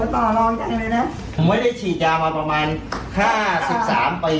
ผมไม่ได้ฉีดยามาประมาณนะคะสิบสามปี